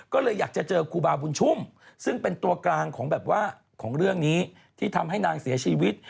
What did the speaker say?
ก็เลยอยากจะเจอครูบาบุญชุ่มซึ่งเป็นตัวกลางของแบบว่าของเรื่องนี้ที่ทำให้นางเสียชีวิต